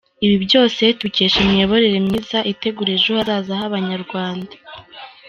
Ibi byose tubikesha imiyoborere myiza itegura ejo hazaza h’Abanyarwanda.